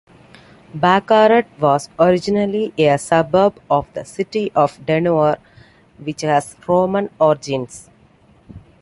Baccarat was originally a suburb of the city of Deneuvre which has Roman origins.